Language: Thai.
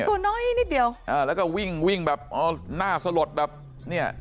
ตัวน้อยนิดเดียวอ่าแล้วก็วิ่งวิ่งแบบอ๋อหน้าสลดแบบเนี่ย